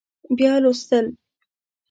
بیا لوستل